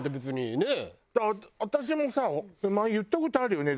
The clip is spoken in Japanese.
私もさ前言った事あるよね？